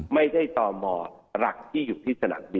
ไม่ได้ตอบมอล์หลักที่อยู่ที่สนามบิน